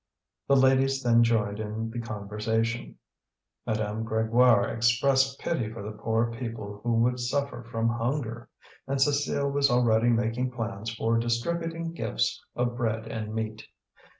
The ladies then joined in the conversation. Madame Grégoire expressed pity for the poor people who would suffer from hunger; and Cécile was already making plans for distributing gifts of bread and meat.